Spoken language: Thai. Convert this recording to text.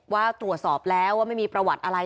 ว่าตรวจสอบแล้วว่าไม่มีประวัติอะไร